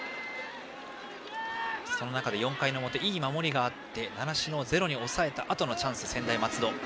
その中で、４回の表いい守りがあって習志野はゼロに抑えたあとのチャンス、専大松戸。